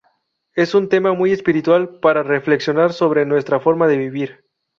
Es un tema muy espiritual, para reflexionar sobre nuestra forma de vivir.